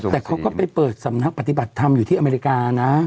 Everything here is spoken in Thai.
แต่เขาก็ไปเปิดสำนักปฏิบัติธรรมอยู่ที่อเมริกานะ